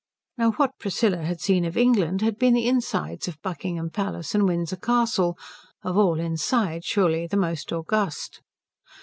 Now what Priscilla had seen of England had been the insides of Buckingham Palace and Windsor Castle; of all insides surely the most august.